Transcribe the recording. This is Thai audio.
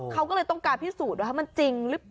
เขาก็เลยต้องการพิสูจน์ว่ามันจริงหรือเปล่า